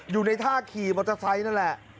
อยู่ในท่าขี่มอเตอร์ไซค์นั่นแหละ